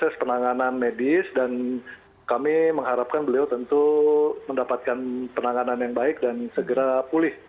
proses penanganan medis dan kami mengharapkan beliau tentu mendapatkan penanganan yang baik dan segera pulih